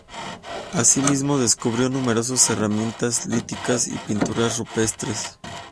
Asimismo descubrió numerosas herramientas líticas y pinturas rupestres.